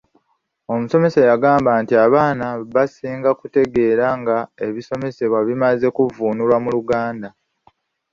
Omusomesa yagamba nti abaana basinga kutegeera nga ebisomesebwa bimaze kuvvuunulwa mu Luganda.